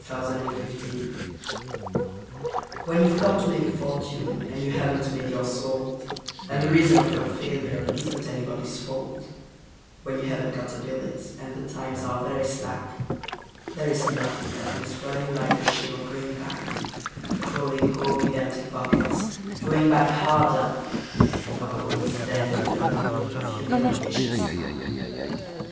The Shame of Going Back When you've come to make a fortune and you haven't made your salt, And the reason of your failure isn't anybody's fault When you haven't got a billet, and the times are very slack, There is nothing that can spur you like the shame of going back; Crawling home with empty pockets, Going back hard up; Oh! it's then you learn the meaning of humiliation's cup.